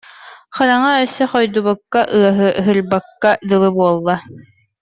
Хараҥа өссө хойдубукка, ыаһырбыкка дылы буолла